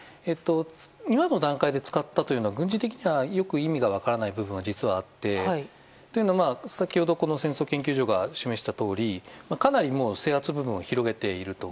今の段階で使ったというのは軍事的にはよく分からないというのが実はあって先ほど戦争研究所が示したとおりかなり制圧部分を広げていると。